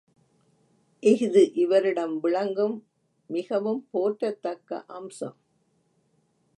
இஃது இவரிடம் விளங்கும் மிகவும் போற்றத்தக்க அம்சம்.